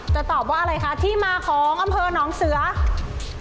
ตอบว่าอะไรคะที่มาของอำเภอหนองเสือ